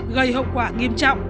gây hậu quả nghiêm trọng